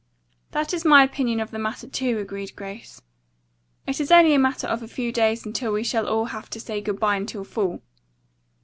"That is my opinion of the matter, too," agreed Grace. "It is only a matter of a few days until we shall all have to say good bye until fall.